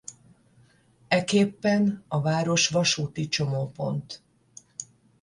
Ekképpen a város vasúti csomópont.